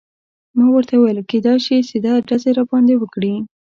ما ورته وویل: کیدای شي سیده ډزې راباندې وکړي.